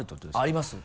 あります。